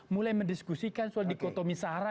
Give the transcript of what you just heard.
mulai mendiskusikan soal dikotomisara